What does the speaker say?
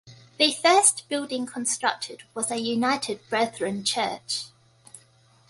The first building constructed was a United Brethren church.